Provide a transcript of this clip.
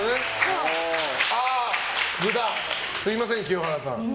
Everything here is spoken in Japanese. すみません、清原さん。